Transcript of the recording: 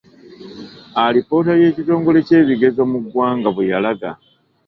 Alipoota y’ekitongole ky'ebigezo mu gwanga bwe yalaga.